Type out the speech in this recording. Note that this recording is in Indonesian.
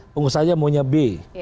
pengusaha maunya b